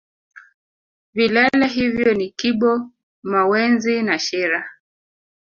vilele hivyo ni kibo mawenzi na shira